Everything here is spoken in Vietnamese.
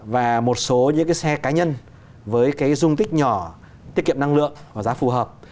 và một số những xe cá nhân với dung tích nhỏ tiết kiệm năng lượng và giá phù hợp